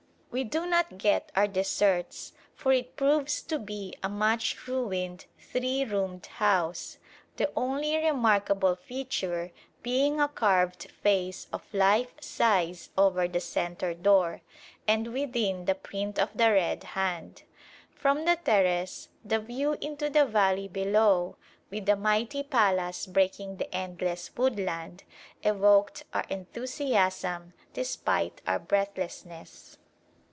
We do not get our deserts, for it proves to be a much ruined three roomed house, the only remarkable feature being a carved face of life size over the centre door, and within the print of the red hand. From the terrace the view into the valley below, with the mighty palace breaking the endless woodland, evoked our enthusiasm despite our breathlessness.